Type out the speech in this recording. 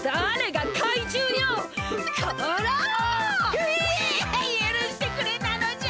ひえゆるしてくれなのじゃ。